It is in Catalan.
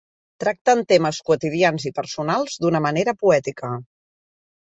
Tracten temes quotidians i personals d'una manera poètica.